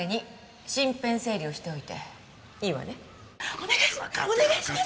お願いします